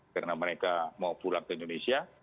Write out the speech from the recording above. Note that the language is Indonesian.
karena mereka mau pulang ke indonesia